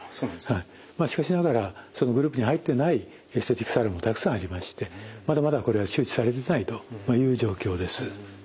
しかしながらそのグループに入ってないエステティックサロンもたくさんありましてまだまだこれが周知されてないという状況です。